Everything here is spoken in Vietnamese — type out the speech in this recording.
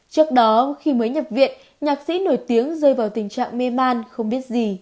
trước đó khi mới nhập viện nhạc sĩ nổi tiếng rơi vào tình trạng mê man không biết gì